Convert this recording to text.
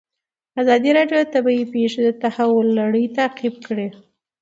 ازادي راډیو د طبیعي پېښې د تحول لړۍ تعقیب کړې.